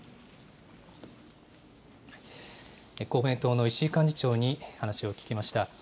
公明党の石井幹事長に話を聞きました。